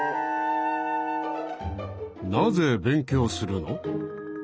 なぜ勉強するの？